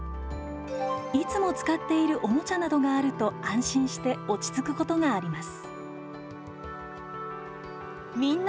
いつも使っているおもちゃなどがあると安心して落ち着くことがあります。